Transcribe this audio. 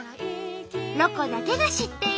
「ロコだけが知っている」。